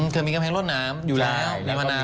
คือมีกำแพงรวดน้ำอยู่แล้วมีมันน้ำครับ